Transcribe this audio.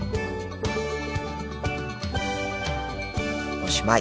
おしまい。